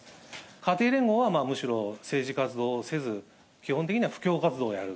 家庭連合はむしろ政治活動をせず、基本的には布教活動をやる。